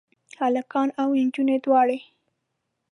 هلکان او انجونې دواړه؟